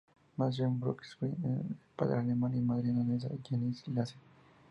Nació en Brunswick de padre alemán y madre danesa, Jenny Lassen.